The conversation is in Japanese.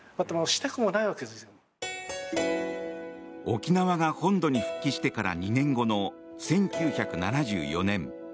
沖縄が本土に復帰してから２年後の１９７４年。